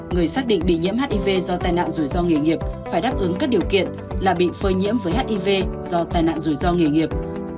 người xác định bị nhiễm hiv do tai nạn rủi ro nghề nghiệp phải đáp ứng các điều kiện là bị phơi nhiễm với hiv do tai nạn rủi ro nghề nghiệp